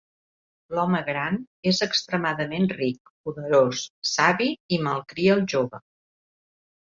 L'home gran és extremadament ric, poderós, savi, i malcria el jove.